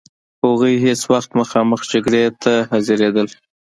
هغوی هیڅ وخت مخامخ جګړې ته حاضرېدل.